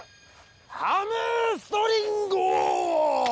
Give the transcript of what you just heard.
ハムストリングお！